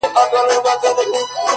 • لا د چا سترگه په سيخ ايستل كېدله,